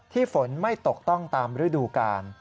ฝนไม่ตกต้องตามฤดูกาล